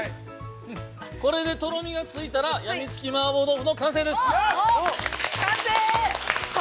◆これでとろみがついたら、やみつき麻婆豆腐の完成です。